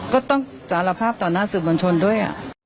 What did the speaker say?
ก็ต้องสารภาพต่อหน้าสื่อมวลชนด้วย